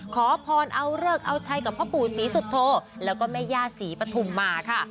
ขอพรเอาเลิกเอาชัยกับพ่อปู่ศรีสุโธแล้วก็แม่ย่าศรีปฐุมมาค่ะ